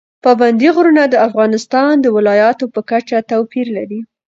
پابندی غرونه د افغانستان د ولایاتو په کچه توپیر لري.